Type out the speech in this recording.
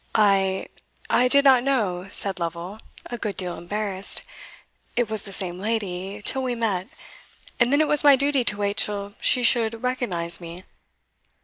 "I I did not know," said Lovel, a good deal embarrassed, "it was the same lady, till we met; and then it was my duty to wait till she should recognise me."